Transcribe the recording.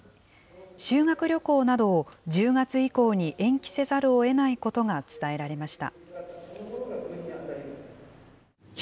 修学旅行などを１０月以降に延期せざるをえないことが伝えられました。